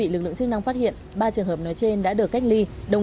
lệnh truy nã